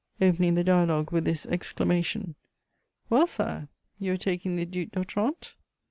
opening the dialogue with this exclamation. "Well, Sire, you are taking the Duc d'Otrante?"